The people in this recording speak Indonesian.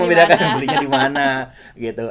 membedakan belinya dimana gitu